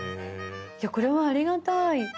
いやこれはありがたい。